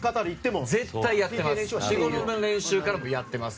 絶対やってます。